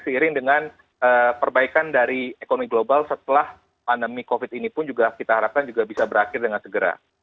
seiring dengan perbaikan dari ekonomi global setelah pandemi covid ini pun juga kita harapkan juga bisa berakhir dengan segera